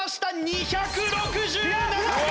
２６７回！